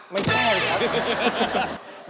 ไม่ใช่ครับ